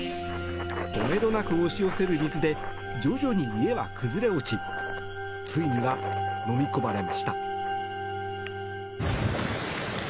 とめどなく押し寄せる水で徐々に家は崩れ落ちついには、のみ込まれました。